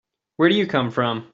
Where do you come from?